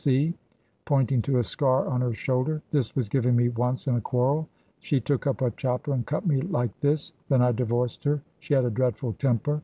See,' pointing to a scar on her shoulder, 'this was given me once in a quarrel. She took up a chopper and cut me like this. Then I divorced her. She had a dreadful temper.'